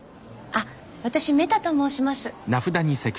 あっ私メタと申します。